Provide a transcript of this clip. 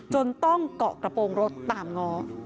จนต้องเกาะกระโปรงรถตามง้อ